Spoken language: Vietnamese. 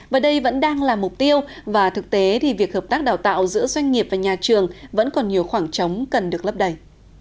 và đây vẫn đang là mục tiêu và thực tế thì việc hợp tác đào tạo giữa doanh nghiệp và nhà trường vẫn còn nhiều khoảng trống cần được lấp đầy